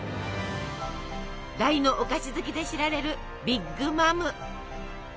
大のお菓子好きで知られるビッグ・マム。